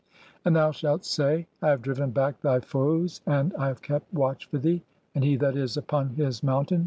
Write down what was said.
And thou shalt say: — "[I] have driven back [thy foes, and "I] have kept watch for thee ; and he that is upon his moun tain